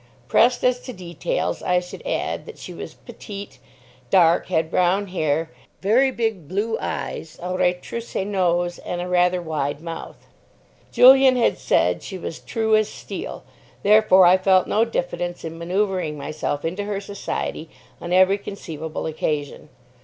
Pressed as to details, I should add that she was petite, dark, had brown hair, very big blue eyes, a retroussé nose, and a rather wide mouth. Julian had said she was "true as steel." Therefore, I felt no diffidence in manoeuvring myself into her society on every conceivable occasion.